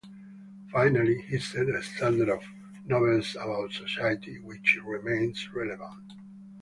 Finally, he set a standard of "novels about society" which remains relevant.